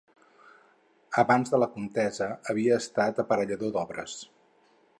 Abans de la contesa havia estat aparellador d'obres.